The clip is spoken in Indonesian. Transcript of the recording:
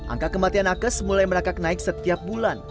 angka kematian nakes mulai merangkak naik setiap bulan